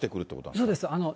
そうです。